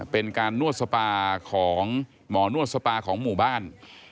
เป็นการนวดสปาของหมอนวดสปาของหมู่บ้าน